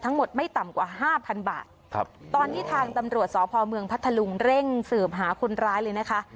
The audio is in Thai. ไม่ต่ำกว่าห้าพันบาทครับตอนนี้ทางตำรวจสพเมืองพัทธลุงเร่งสืบหาคนร้ายเลยนะคะ